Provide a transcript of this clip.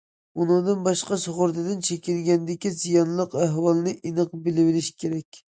ئۇنىڭدىن باشقا سۇغۇرتىدىن چېكىنگەندىكى زىيانلىق ئەھۋالنى ئېنىق بىلىۋېلىش كېرەك.